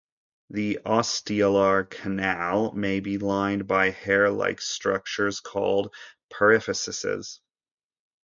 The "ostiolar canal" may be lined by hair-like structures called "periphyses".